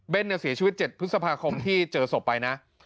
เสียชีวิต๗พฤษภาคมที่เจอศพไปนะ